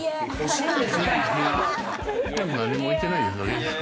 何も置いてないよ。